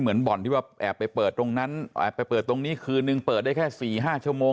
บ่อนที่ว่าแอบไปเปิดตรงนั้นแอบไปเปิดตรงนี้คืนนึงเปิดได้แค่๔๕ชั่วโมง